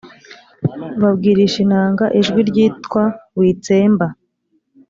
babwirisha inanga ijwi ryitwa witsemba